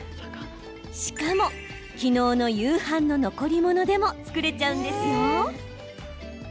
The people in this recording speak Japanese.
しかも昨日の夕飯の残り物でも作れちゃうんですよ。